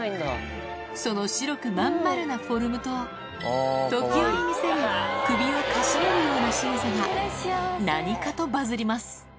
その白く真ん丸なフォルムと、時折見せる、首をかしげるようなしぐさが何かとバズります。